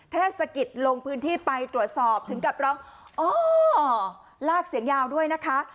เทศกิจลงพื้นที่ไปตรวจสอบถึงกับร้องอ๋อลากเสียงยาวด้วยนะคะ